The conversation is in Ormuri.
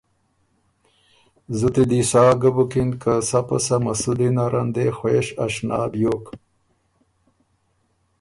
زُتی دی سا ګه بُکِن که سَۀ پسَۀ مسودی نرن دې خوېش اشنا بیوک